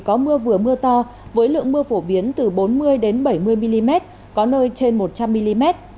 có mưa vừa mưa to với lượng mưa phổ biến từ bốn mươi bảy mươi mm có nơi trên một trăm linh mm